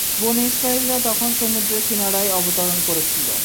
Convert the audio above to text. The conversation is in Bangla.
বনী ইসরাঈলরা তখন সমুদ্রের কিনারায় অবতরণ করেছিল।